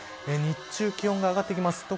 日中、気温が上がってきます。